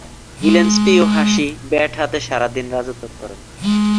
Gillespie ও হাসি bat হাতে সারাদিন রাজত্ব করেন।